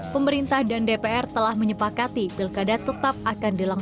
pemerintah dan dpr telah menyepakati pilkada tetap akan dilakukan